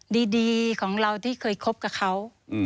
ดีของเราที่เคยคบกับเขา